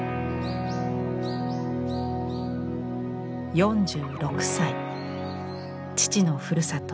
４６歳父のふるさと